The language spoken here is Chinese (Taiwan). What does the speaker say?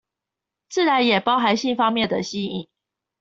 自然也包含性方面的吸引